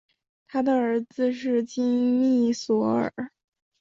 他的儿子是金密索尔。